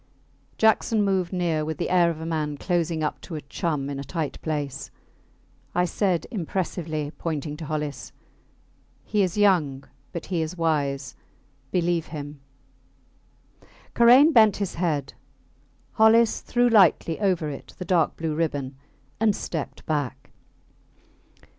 Jackson moved near with the air of a man closing up to a chum in a tight place. I said impressively, pointing to Hollis He is young, but he is wise. Believe him! Karain bent his head: Hollis threw lightly over it the dark blue ribbon and stepped back.